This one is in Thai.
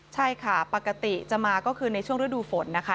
ใช่ค่ะปกติจะมาก็คือในช่วงฤดูฝนนะคะ